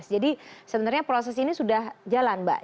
dua ribu tujuh belas jadi sebenarnya proses ini sudah jalan mbak